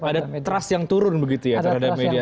ada trust yang turun begitu ya terhadap media